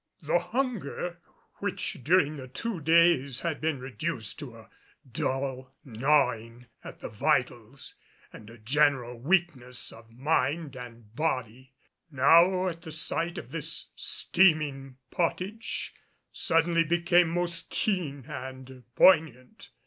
The hunger, which during the two days had been reduced to a dull gnawing at the vitals and a general weakness of mind and body, now at the sight of this steaming potage, suddenly became most keen and poignant.